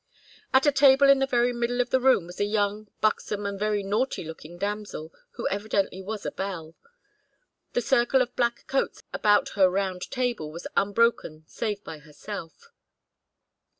At a table in the very middle of the room was a young, buxom, and very naughty looking damsel, who evidently was a belle: the circle of black coats about her round table was unbroken save by herself.